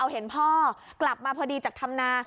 เอาเห็นพ่อกลับมาพอดีจากธำนา